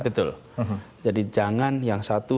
betul jadi jangan yang satu